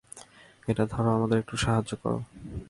এটা ধরো আমাদের একটু সাহায্য করো।